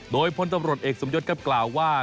โดยพลตำรวจเอกสมยศครับกล่าวว่า